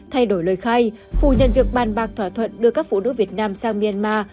thay đổi lời khai phủ nhận việc bàn bạc thỏa thuận đưa các phụ nữ việt nam sang myanmar